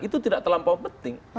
itu tidak terlampau penting